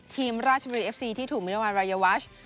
ทีมราชบริษย์เอฟซีที่ถูกมินวันรายวาช